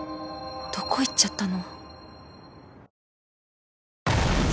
どこ行っちゃったの？